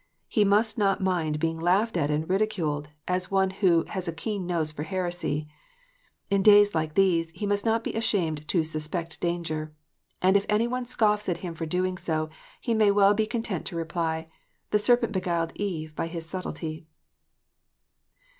He must not mind being laughed at and ridiculed, as one who "has a keen nose for heresy." In days like these he must not be ashamed to suspect danger. And if any one scoffs at him for so doing, he may well be content to reply, "The serpent beguiled Eve by his subtilty."